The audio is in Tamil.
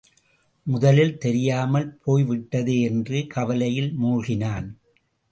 முதலில் தெரியாமல் போய்விட்டதே! என்று கவலையில் மூழ்கினான்.